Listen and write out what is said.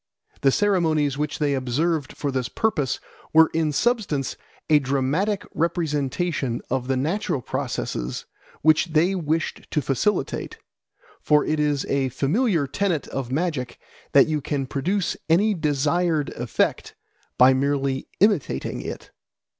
The ceremonies which they observed for this purpose were in substance a dramatic representation of the natural processes which they wished to facilitate; for it is a familiar tenet of magic that you can produce any desired effect by merely imitating it.